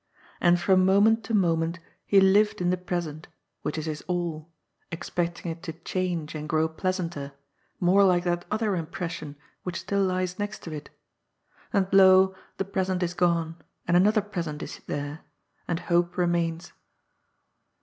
And from moment to moment he lived in the present, which is his all, expecting it to change and grow pleasanter, more like that other impression which still lies next to it ; and, lo, the present is gone, and an other present is there, and hope remains.